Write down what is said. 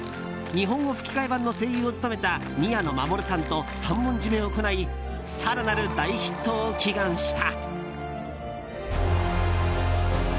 日本語吹き替え版の声優を務めた宮野真守さんと三本締めを行い更なる大ヒットを祈願した。